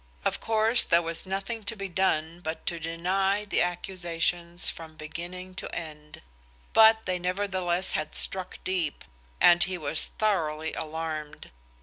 Of course, there was nothing to be done but to deny the accusations from beginning to end; but they nevertheless had struck deep, and he was thoroughly alarmed.